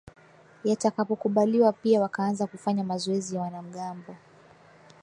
yatakapokubaliwa Pia wakaanza kufanya mazoezi ya wanamgambo